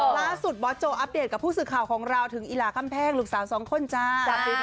ล่าสุดบอสโจอัปเดตกับผู้สื่อข่าวของเราถึงอีลาค่ำแพ่งลูกสาวสองคนจ้า